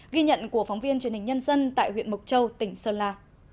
ghi nhận của phóng viên truyền hình nhân dân tại huyện mộc châu tỉnh sơn la